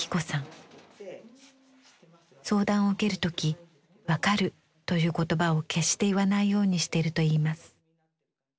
相談を受ける時「わかる」という言葉を決して言わないようにしてるといいます。